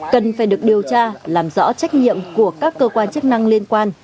cần phải được điều tra làm rõ trách nhiệm của các cơ quan chức năng liên quan